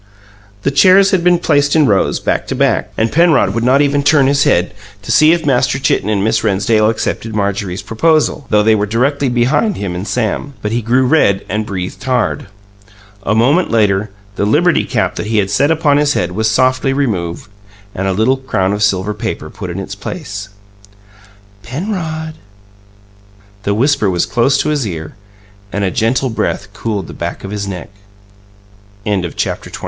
The chairs had been placed in rows, back to back, and Penrod would not even turn his head to see if Master Chitten and Miss Rennsdale accepted Marjorie's proposal, though they were directly behind him and Sam; but he grew red and breathed hard. A moment later, the liberty cap that he had set upon his head was softly removed, and a little crown of silver paper put in its place. "PENROD?" The whisper was close to his ear, and a gentle breath cooled the back of his neck. CHAPTER XXIV.